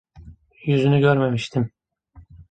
Yüzünü görmemiştim.